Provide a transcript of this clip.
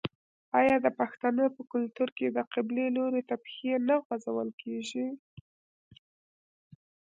آیا د پښتنو په کلتور کې د قبلې لوري ته پښې نه غځول کیږي؟